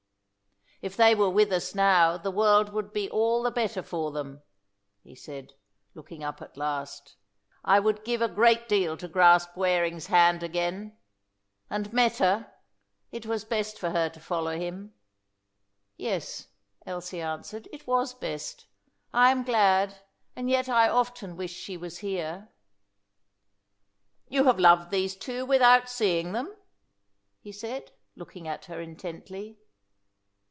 "If they were with us now the world would be all the better for them," he said, looking up at last. "I would give a great deal to grasp Waring's hand again. And Meta it was best for her to follow him." "Yes," Elsie answered; "it was best. I am glad, and yet I often wish she was here." "You have loved these two without seeing them?" he said, looking at her intently.